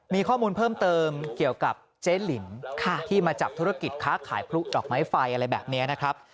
มีข้อมูลเพิ่มเติมเกี่ยวกับเจ๊หลินที่มาจับธุรกิจค้าขายพลุดอกไม้ไฟอะไรแบบนี้นะครับ